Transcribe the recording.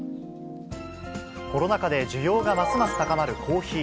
コロナ禍で需要がますます高まるコーヒー。